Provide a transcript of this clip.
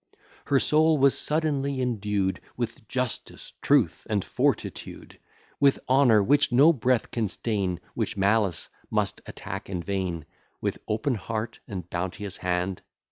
Her soul was suddenly endued With justice, truth, and fortitude; With honour, which no breath can stain, Which malice must attack in vain; With open heart and bounteous hand.